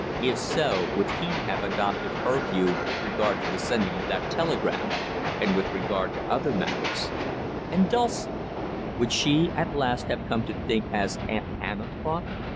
If so would he have adopted her view with regard to the sending of that telegram, and with regard to other matters? And Dulcie, would she at last have come to think as Aunt Hannah thought?